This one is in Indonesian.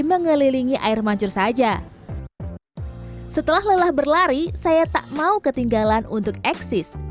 mengelilingi air mancur saja setelah lelah berlari saya tak mau ketinggalan untuk eksis